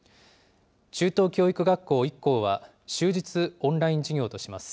中等教育学校１校は、終日オンライン授業とします。